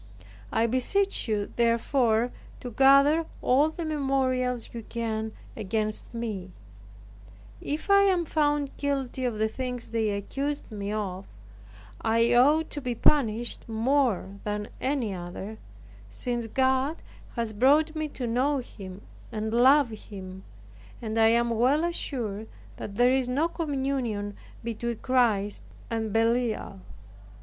I beseech you, therefore, to gather all the memorials you can against me; if I am found guilty of the things they accuse me of, I ought to be punished more than any other, since God has brought me to know Him and love Him, and I am well assured that there is no communion between Christ and Belial."